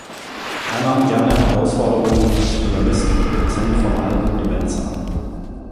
Er nahm gerne Herausforderungen als Pianist und Produzent von Alben und Events an.